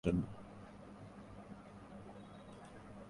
যেটি চালু করা বিশ্বব্যাপী বিশেষ করে বাংলাভাষী দর্শকদের জন্য।